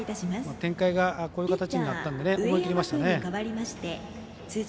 展開がこういう形になったんで動きましたね。